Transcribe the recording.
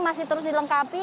masih terus dilengkapi